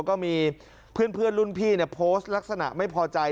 ก็มีเพื่อนรุ่นพี่โพสต์ลักษณะไม่พอใจ